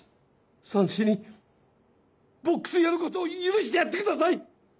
さんしにボックスやることを許してやってください！